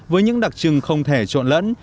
với những đặc trưng không thể trộn lẫn